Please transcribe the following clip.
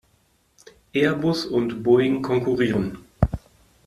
Airbus und Boeing konkurrieren.